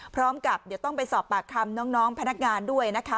พร้อมกับเดี๋ยวต้องไปสอบปากคำน้องพนักงานด้วยนะคะ